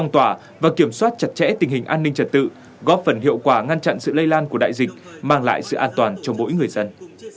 đảm bảo tình hình an ninh trật tự tại các khu dân cư không để diễn biến phức tạp